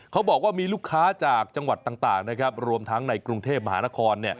เขาบอกว่ามีลูกค้าจากจังหวัดต่างนะครับรวมทั้งในกรุงเทพมหานคร